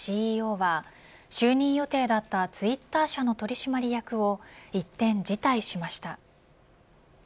ＣＥＯが就任予定だったツイッター社の取締役を一転、辞退しました。